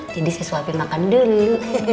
jadi saya suapin makan dulu